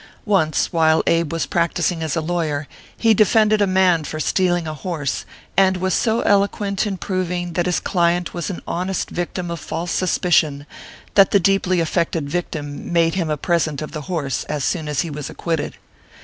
Once, while Abe was practising as a lawyer, he defended a man for stealing a horse, and was so eloquent in proving that his client was an honest victim of false suspicion, that the deeply affected victim made him a present of the horse as soon as he was acquitted.